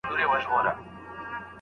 « خدای دي نه ورکوي خره لره ښکرونه